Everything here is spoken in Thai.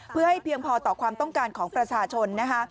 เพื่อให้เพียงพอต่อความต้องการของประชาชนนะคะ